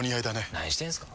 何してんすか。